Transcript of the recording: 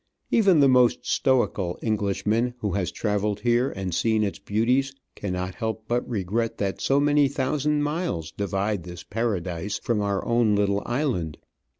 Even the most stoical Englishnian who has travelled here and seen its beauties cannot help but regret that so many thousand miles divide* this paradise from our own little island.